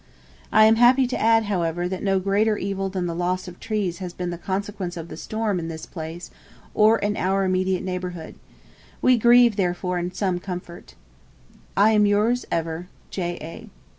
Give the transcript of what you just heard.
I am happy to add, however, that no greater evil than the loss of trees has been the consequence of the storm in this place, or in our immediate neighbourhood. We grieve, therefore, in some comfort. 'I am yours ever, 'J. A.'